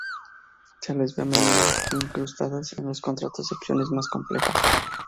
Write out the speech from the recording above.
Se les ve a menudo incrustadas en los contratos de opciones más complejas.